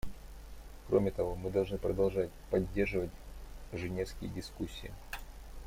Кроме того, мы должны продолжать поддерживать женевские дискуссии.